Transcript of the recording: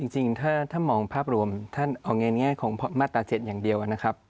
จริงถ้ามองภาพรวมถ้าเอาในแง่ของมาตรา๗อย่างเดียวนะครับ